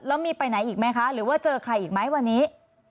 แล้วมีไปไหนอีกไหมคะหรือว่าเจอใครอีกไหมวันนี้